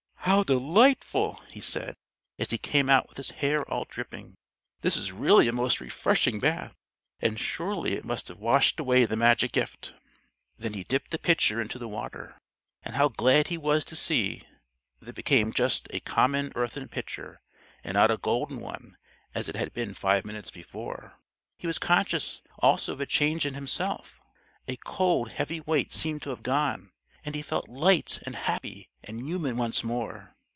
"How delightful!" he said, as he came out with his hair all dripping, "this is really a most refreshing bath, and surely it must have washed away the magic gift." Then he dipped the pitcher into the water, and how glad he was to see that it became just a common earthen pitcher and not a golden one as it had been five minutes before! He was conscious, also of a change in himself: a cold, heavy weight seemed to have gone, and he felt light, and happy, and human once more.